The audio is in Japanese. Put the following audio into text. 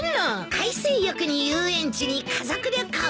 海水浴に遊園地に家族旅行。